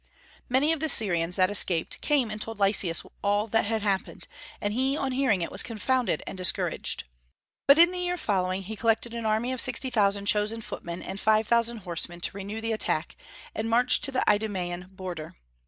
Many of the Syrians that escaped came and told Lysias all that had happened, and he on hearing it was confounded and discouraged. But in the year following he collected an army of sixty thousand chosen footmen and five thousand horsemen to renew the attack, and marched to the Idumaean border.